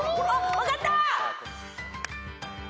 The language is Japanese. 分かった！